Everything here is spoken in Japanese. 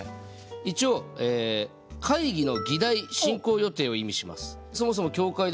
一応会議の議題進行予定を意味します。